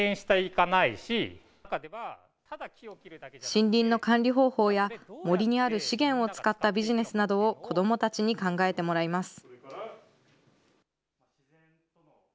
森林の管理方法や、森にある資源を使ったビジネスなどを子どもたちに考えてもらいます。